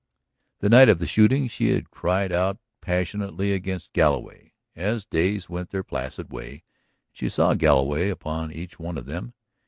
The night of the shooting she had cried out passionately against Galloway; as days went their placid way and she saw Galloway upon each one of them